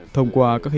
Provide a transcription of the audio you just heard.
thông qua các hình thức